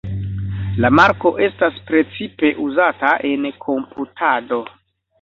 La marko estas precipe uzata en komputado.